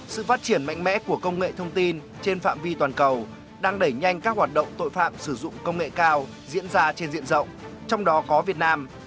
sự phát triển mạnh mẽ của công nghệ thông tin trên phạm vi toàn cầu đang đẩy nhanh các hoạt động tội phạm sử dụng công nghệ cao diễn ra trên diện rộng trong đó có việt nam